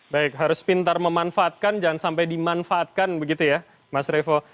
baik harus pintar memanfaatkan jangan sampai dimanfaatkan begitu ya mas revo